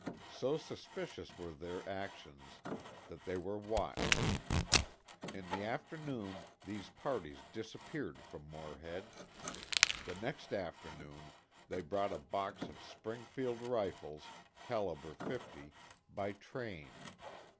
So suspicious were their actions that they were watched. In the afternoon these parties disappeared from Morehead. The next afternoon they brought a box of Springfield rifles, calibre fifty, by train.